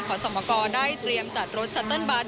ขอสมกรได้เตรียมจัดรถชัตเติ้ลบัส